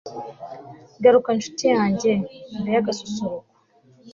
garuka, ncuti yanjye, mbere y'agasusuruko